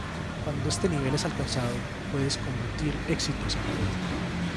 Cuando este nivel es alcanzado, puedes combatir exitosamente.